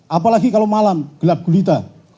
apalagi kalau malam gelap gulita